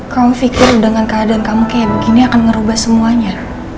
kamu pikir dengan keadaan kamu kayak begini akan merubah semuanya